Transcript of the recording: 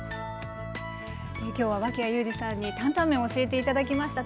今日は脇屋友詞さんに担々麺を教えて頂きました。